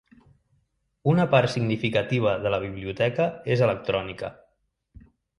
Una part significativa de la biblioteca és electrònica.